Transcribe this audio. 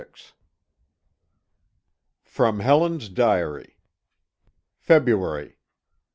XXVI. [From Helen's Diary.] _February